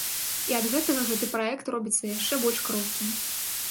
І ад гэтага гэты праект робіцца яшчэ больш крохкім.